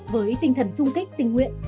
với tinh thần sung kích tình nguyện